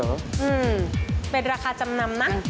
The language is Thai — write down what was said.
อืมเป็นราคาจำนำนะ